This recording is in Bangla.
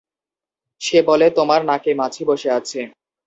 সে বলে, তোমার নাকে মাছি বসে আছে।